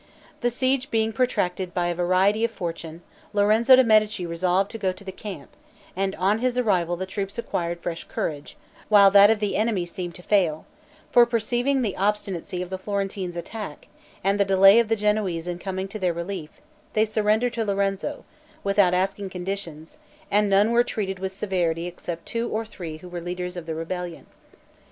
The siege being protracted by a variety of fortune, Lorenzo de' Medici resolved to go to the camp, and on his arrival the troops acquired fresh courage, while that of the enemy seemed to fail; for perceiving the obstinacy of the Florentines' attack, and the delay of the Genoese in coming to their relief, they surrendered to Lorenzo, without asking conditions, and none were treated with severity except two or three who were leaders of the rebellion.